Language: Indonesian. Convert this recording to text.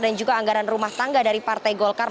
dan juga anggaran rumah tangga dari partai golkar